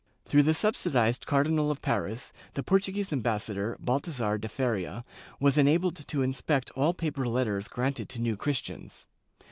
Through the subsidized Cardinal of Paris, the Portuguese ambassador, Bal thasar de Faria, was enabled to inspect all papal letters granted to New Christians.